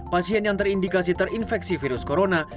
pasien yang terindikasi terinfeksi virus corona